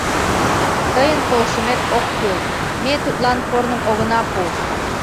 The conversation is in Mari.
Тыйын полшымет ок кӱл, ме тудлан корным огына пу.